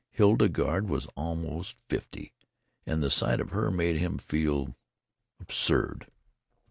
Hildegarde was almost fifty, and the sight of her made him feel absurd....